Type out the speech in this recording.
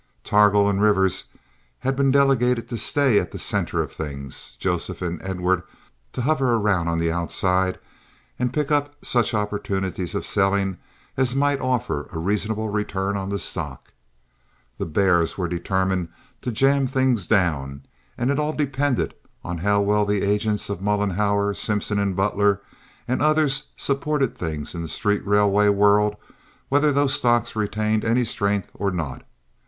Targool and Rivers had been delegated to stay at the center of things, Joseph and Edward to hover around on the outside and to pick up such opportunities of selling as might offer a reasonable return on the stock. The "bears" were determined to jam things down, and it all depended on how well the agents of Mollenhauer, Simpson, Butler, and others supported things in the street railway world whether those stocks retained any strength or not.